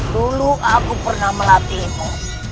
dulu aku pernah melatihmu